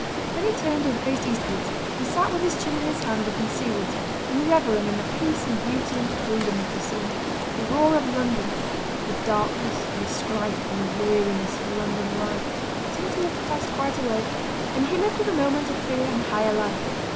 Then he turned and faced eastwards and sat with his chin in his hand looking seawards, and revelling in the peace and beauty and freedom of the scene. The roar of London—the darkness and the strife and weariness of London life—seemed to have passed quite away, and he lived at the moment a freer and higher life.